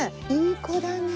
いい子だね。